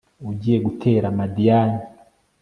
ugiye gutera madiyani